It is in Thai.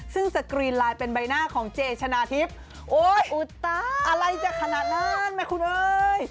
ซึ่งสกรีนไลน์เป็นใบหน้าของเจชนะทิพย์โอ๊ยอุตตาอะไรจะขนาดนั้นไหมคุณเอ้ย